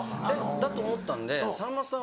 だと思ったんでさんまさん